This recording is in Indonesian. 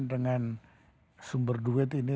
dengan sumber duit ini